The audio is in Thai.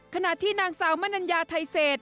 ขณะที่นางสาวมนัญญาไทยเศษ